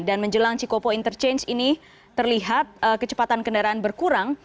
dan menjelang cikopo interchange ini terlihat kecepatan kendaraan berkurang